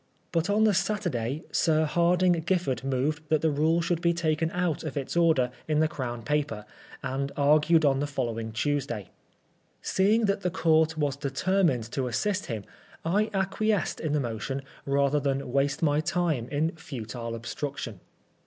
But on the Saturday Sir Hardinge Oiffard moved that the rule should be taken out of its order in the Crown Paper, and argued on the following Tuesday. Seeing that the Court was determined to * assist him, I acquiesced in the motion rather than waste my time in futile obstruction.